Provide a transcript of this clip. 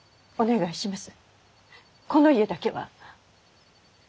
お願いします！